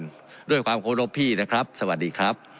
เรื่อยความโครงการแทบพี่หวัดดี